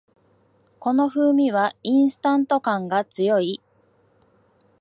この風味はインスタント感が強い